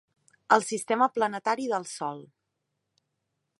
El sistema planetari del Sol.